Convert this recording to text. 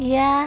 terima kasih